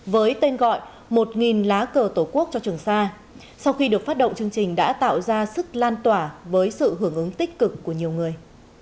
với tên gọi một lá cờ tổ quốc cho trường sa sau khi được phát động chương trình đã tạo ra sức lan tỏa với sự hưởng ứng tích cực của nhiều người